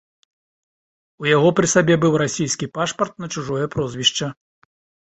У яго пры сабе быў расійскі пашпарт на чужое прозвішча.